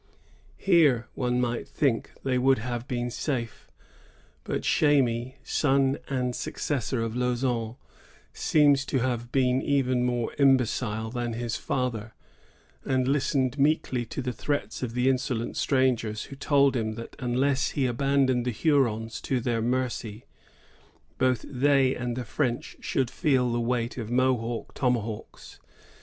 Here, one might think, they would have been safe; but Chamy, son and successor of Lauson, seems to have been even more imbecile than his father, and listened meekly to the threats of the insolent strangers who told him that unless he abandoned the Hurons to their mercy, both they and the French should feel the weight of Mohawk tomahawks.